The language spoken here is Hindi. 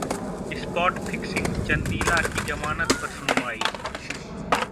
स्पॉट फिक्सिंग: चंदीला की जमानत पर सुनवाई